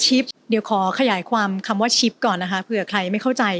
เดี๋ยวขอขยายความคำว่าชิปก่อนนะคะเผื่อใครไม่เข้าใจ